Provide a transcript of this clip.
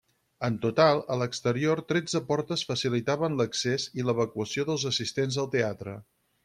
En total, a l'exterior tretze portes facilitaven l'accés i evacuació dels assistents al teatre.